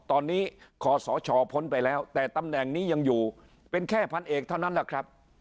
ตอนนี้ขอสชพ้นไปแล้วแต่ตำแหน่งนี้ยังอยู่เป็นแค่พันเอกเท่านั้นแหละครับ